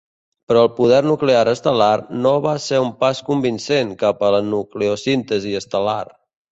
Però el poder nuclear estel·lar no va ser un pas convincent cap a nucleosíntesi estel·lar.